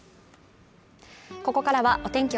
ここからはお天気